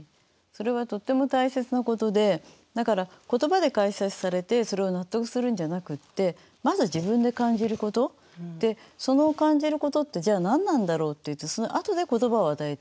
それはとっても大切なことでだから言葉で解説されてそれを納得するんじゃなくってまず自分で感じることでその感じることってじゃあ何なんだろう？っていってそのあとで言葉を与えていく。